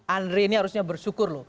andre ini harusnya bersyukur